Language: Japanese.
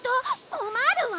困るわ！